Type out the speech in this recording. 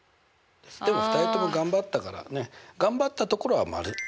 でも２人とも頑張ったからね頑張ったところは丸。